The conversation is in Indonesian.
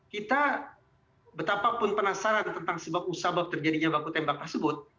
kita betapa pun penasaran tentang sebab usabap terjadinya baku tembak tersebut